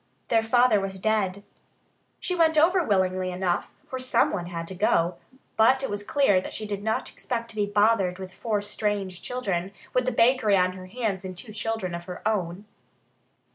Their father was dead. She went over willingly enough, for someone had to go. But it was clear that she did not expect to be bothered with four strange children, with the bakery on her hands and two children of her own.